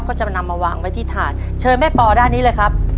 ก็จะนำมาวางไว้ที่ถ่านเชิญแม่ปอด้านนี้เลยครับ